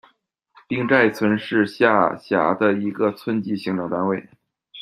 丁寨村，是下辖的一个村级行政单位。